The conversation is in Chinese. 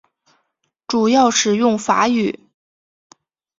主要使用法语。